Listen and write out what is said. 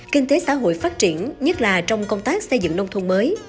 kinh tế xã hội phát triển nhất là trong công tác xây dựng nông thôn mới